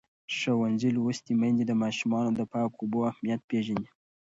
ښوونځې لوستې میندې د ماشومانو د پاکو اوبو اهمیت پېژني.